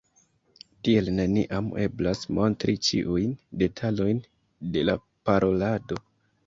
Tiel neniam eblas montri ĉiujn detalojn de la parolado.